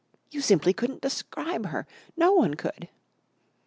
"You simply couldn't describe her. No one could!"